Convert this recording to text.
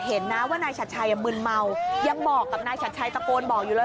เห็นนะว่านายชัดชัยมึนเมายังบอกกับนายชัดชัยตะโกนบอกอยู่เลย